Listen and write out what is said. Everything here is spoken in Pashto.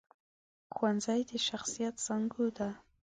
ښوونځی د شخصیت زانګو ده